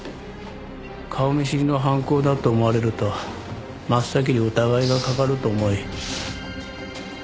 顔見知りの犯行だと思われると真っ先に疑いがかかると思い空き巣を装いました。